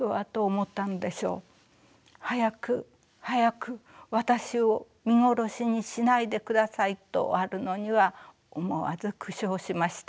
「早く、早く、私を見殺しにしないで下さい」とあるのには思わず苦笑しました。